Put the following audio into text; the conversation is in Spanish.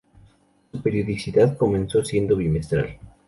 Su periodicidad comenzó siendo bimestral.